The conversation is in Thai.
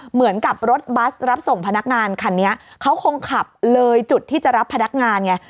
เหมือนกับรถบัสรับส่งพนักงานคันนี้เขาคงขับเลยจุดที่จะรับพนักงานไง